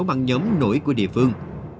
băng nhóm nổi của địa phương